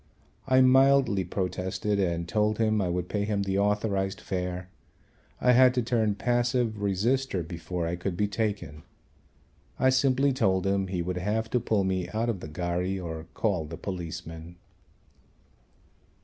I mildly protested and told him I would pay him the authorised fare. I had to turn passive resister before I could be taken. I simply told him he would have to pull me out of the ghari or call the policeman.